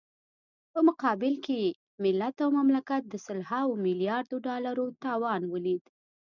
په مقابل کې يې ملت او مملکت د سلهاوو ملیاردو ډالرو تاوان وليد.